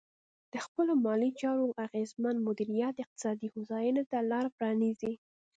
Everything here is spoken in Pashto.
د خپلو مالي چارو اغېزمن مدیریت اقتصادي هوساینې ته لار پرانیزي.